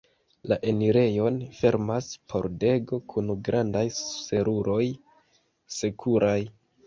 La enirejon fermas pordego kun grandaj seruroj sekuraj.